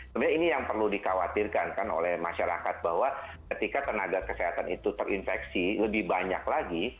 sebenarnya ini yang perlu dikhawatirkan kan oleh masyarakat bahwa ketika tenaga kesehatan itu terinfeksi lebih banyak lagi